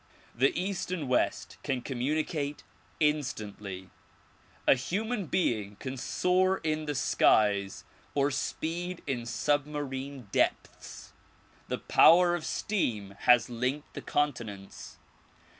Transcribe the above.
The east and west can communicate instantly. A human being can soar in the skies or speed in submarine depths. The power of steam has linked the continents.